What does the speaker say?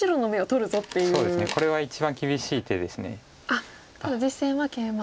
あっただ実戦はケイマ。